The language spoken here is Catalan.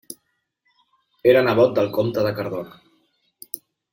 Era nebot del comte de Cardona.